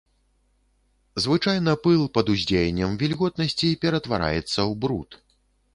Звычайна пыл пад дзеяннем вільготнасці ператвараецца ў бруд.